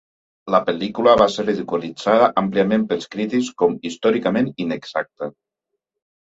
La pel·lícula va ser ridiculitzada àmpliament pels crítics com històricament inexacta.